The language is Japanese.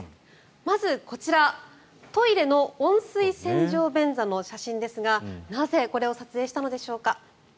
まずこちら、トイレの温水洗浄便座の写真ですがなぜこれを撮影したのでしょうか。